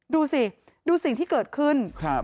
ดูสิดูสิ่งที่เกิดขึ้น